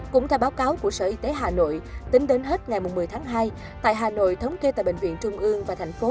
cũng theo báo cáo của sở y tế hà nội tính đến hết ngày một mươi tháng hai tại hà nội thống kê tại bệnh viện trung ương và thành phố